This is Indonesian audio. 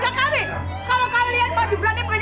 supaya banci kalian tidak dikandung di urusan tempat ini